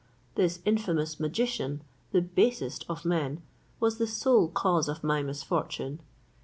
This infamous magician, the basest of men, was the sole cause of my misfortune.